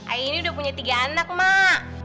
ayah ini udah punya tiga anak mak